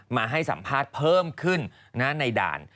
มาให้สัมภาษณ์เพิ่มขึ้นในด่าน